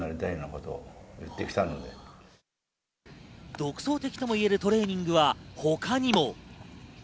独創的ともいえるトレーニングは他にも。